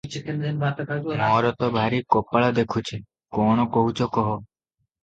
ମୋର ତ ଭାରି କପାଳ ଦେଖୁଛି! କ’ଣ କହୁଛ କହ ।”